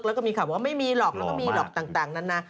แล้วก็มีข่าวว่าไม่มีหรอกแล้วก็มีหรอกต่างนั้นนะ